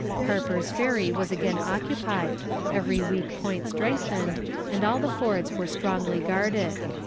Harper's Ferry was again occupied, every weak point strengthened, and all the fords were strongly guarded.